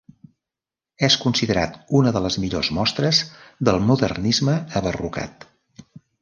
És considerat una de les millors mostres del modernisme abarrocat.